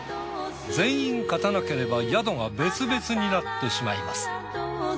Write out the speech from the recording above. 全員勝たなければ宿が別々になってしまいます。